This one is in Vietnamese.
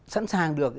sẵn sàng được